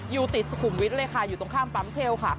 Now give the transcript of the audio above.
อยู่ติดสุขุมวิทย์เลยค่ะอยู่ตรงข้ามปั๊มเชลค่ะ